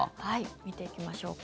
見ていきましょうか。